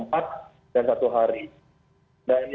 dan yang kita juga push untuk melakukan vaksin